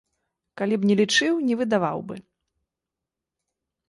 Калі б не лічыў, не выдаваў бы.